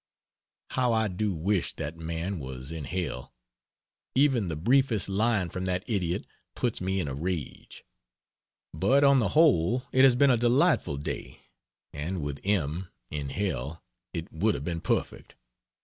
How I do wish that man was in hell. Even the briefest line from that idiot puts me in a rage. But on the whole it has been a delightful day, and with M in hell it would have been perfect.